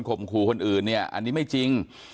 มขู่คนอื่นเนี่ยอันนี้ไม่จริง